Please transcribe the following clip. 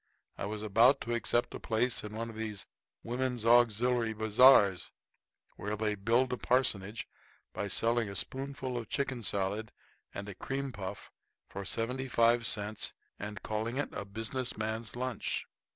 I was about to accept a place in one of these Women's Auxiliary Bazars, where they build a parsonage by selling a spoonful of chicken salad and a cream puff for seventy five cents and calling it a Business Man's Lunch.